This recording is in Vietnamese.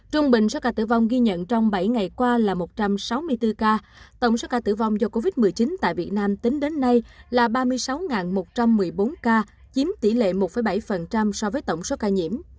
trung bình số ca tử vong ghi nhận trong bảy ngày qua là một trăm sáu mươi bốn ca tổng số ca tử vong do covid một mươi chín tại việt nam tính đến nay là ba mươi sáu một trăm một mươi bốn ca chiếm tỷ lệ một bảy so với tổng số ca nhiễm